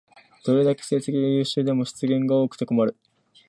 どれだけ成績が優秀でも失言が多くて困る